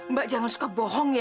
mbak jangan suka bohong ya